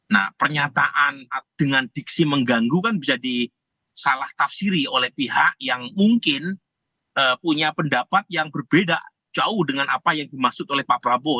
nah pernyataan dengan diksi mengganggu kan bisa disalah tafsiri oleh pihak yang mungkin punya pendapat yang berbeda jauh dengan apa yang dimaksud oleh pak prabowo